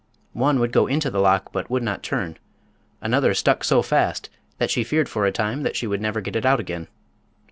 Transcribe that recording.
One would go into the lock but would not turn; another stuck so fast that she feared for a time that she would never get it out again.